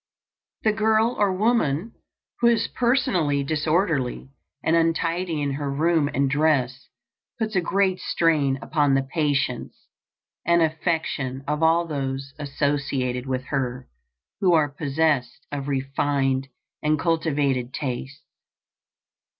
The girl or woman who is personally disorderly and untidy in her room and dress puts a great strain upon the patience and affection of all those associated with her who are possessed of refined and cultivated tastes.